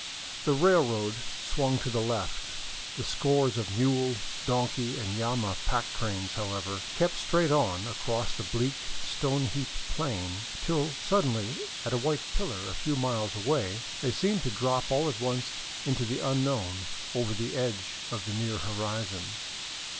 The railroad swung to the left. The scores of mule, donkey, and llama pack trains, however, kept straight on across the bleak, stone heaped plain, till suddenly at a white pillar a few miles away they 496 THE COLLASUYU, OR " UPPER " PERU seemed to drop all at once into the unknown over the edge of the near horizon.